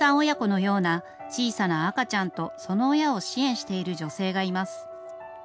親子のような、小さな赤ちゃんとその親を支援している女性がいます。